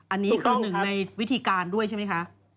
อันนี้คือหนึ่งในวิธีการด้วยใช่ไหมคะ